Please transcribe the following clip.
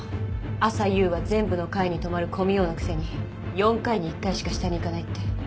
朝夕は全部の階に止まる混みようのくせに４回に１回しか下に行かないって。